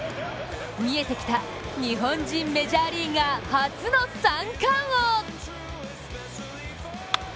見えてきた、日本人メジャーリーガー初の三冠王。